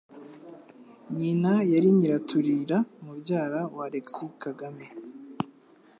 Nyina yari Nyiratulira, mubyara wa Alexis Kagame